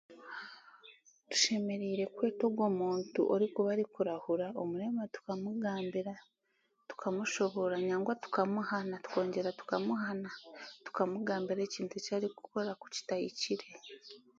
Tushemeireire kweeta ogwe muntu orikuuba arikurahura omurema tukamugambira tukamushobororera nangwa tukamuhana tukongyera tukamuhana tukamugambira ekintu ekyarikukora kukitahikire.